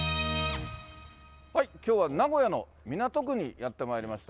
きょうは名古屋の港区にやってまいりました。